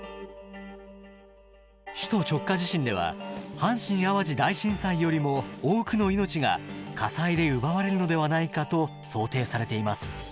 首都直下地震では阪神・淡路大震災よりも多くの命が火災で奪われるのではないかと想定されています。